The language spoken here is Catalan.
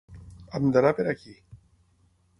Hem d’anar per aquí.